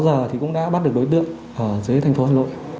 ba mươi sáu giờ thì cũng đã bắt được đối tượng ở dưới thành phố hà nội